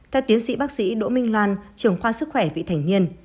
theo tiến sĩ bác sĩ đỗ minh loan trưởng khoa sức khỏe vị thành nhiên